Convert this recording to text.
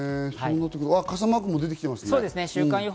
傘マークも出てきてますね。